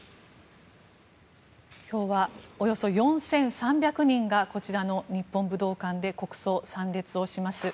今日はおよそ４３００人がこちらの日本武道館で国葬、参列をします。